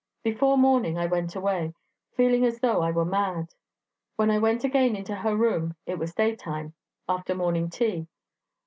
Before morning I went away, feeling as though I were mad. When I went again into her room it was daytime, after morning tea.